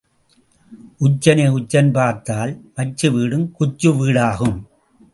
உச்சனை உச்சன் பார்த்தால் மச்சு வீடும் குச்சு வீடாகும்.